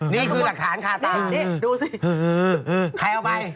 นี่คือหลักฐานค่าตาย